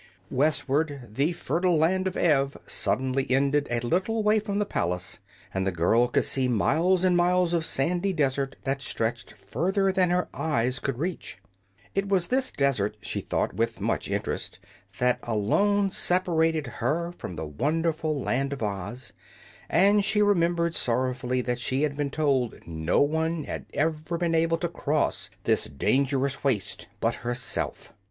Westward the fertile Land of Ev suddenly ended a little way from the palace, and the girl could see miles and miles of sandy desert that stretched further than her eyes could reach. It was this desert, she thought, with much interest, that alone separated her from the wonderful Land of Oz, and she remembered sorrowfully that she had been told no one had ever been able to cross this dangerous waste but herself.